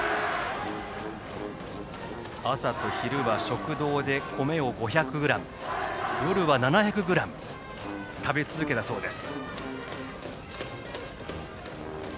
朝と昼は食堂で米を５００ｇ夜は７００ｇ食べ続けたそうです。